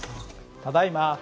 ただいま。